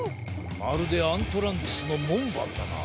まるでアントランティスのもんばんだな。